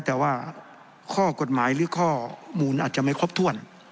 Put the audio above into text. แต่ว่าข้อกฎหมายหรือข้อมูลอาจจะไม่ครบถ้วน